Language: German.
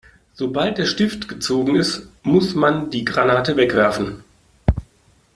Sobald der Stift gezogen ist, muss man die Granate wegwerfen.